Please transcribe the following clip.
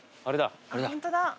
あれだ。